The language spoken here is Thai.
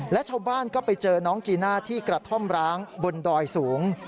และชาวบ้านก็ไปเจอน้องจีน่าที่กระท่อมร้างบนดอยสูง